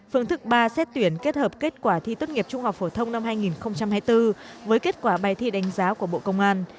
phương thức ba xét tuyển kết hợp kết quả thi tất nghiệp trung học phổ thông năm hai nghìn hai mươi bốn với kết quả bài thi đánh giá của bộ công an